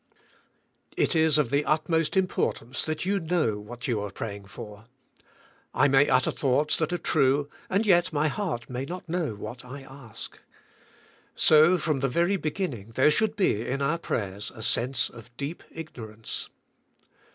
It is of the utmost importance that you know what you are praying for. I may utter thoughts that are true and yet my 94 THK SPIRITUAL I.IFK. heart may not know what I ask. So, from the very beginning there should be in our prayers a sense of deep ignorance.